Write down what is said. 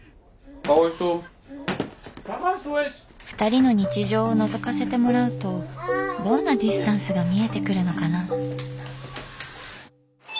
ふたりの日常をのぞかせてもらうとどんなディスタンスが見えてくるのかな？